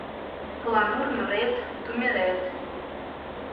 Поланур нурет — тумерет